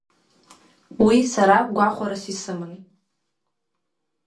Уи сара гәахәарас исыман.